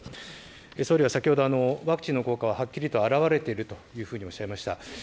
総理は先ほど、ワクチンの効果ははっきりと表れているというふうにおっしゃいました。